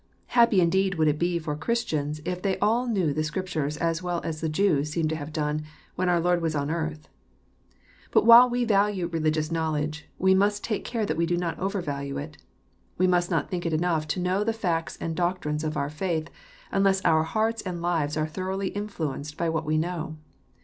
Happy indeed would it be for Christians if they all knew the Scriptures as well as the Jews seem to have done, when our Lord was on earth I But while we value religious knowledge, we must take care that we do not overvalue it. We must not think it enough to know the facts and doctrines of our faith, unless our hearts and lives are thoroughly influenced by what we know.